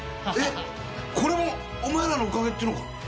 えっこれもお前らのおかげっていうのか？